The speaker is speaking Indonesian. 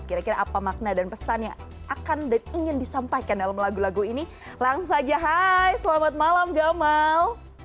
kira kira apa makna dan pesan yang akan dan ingin disampaikan dalam lagu lagu ini langsung saja hai selamat malam gamal